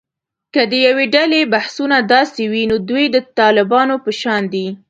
که د یوې ډلې بحثونه داسې وي، نو دوی د طالبانو په شان دي